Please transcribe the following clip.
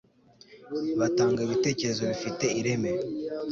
batanga ibitekerezo bifite ireme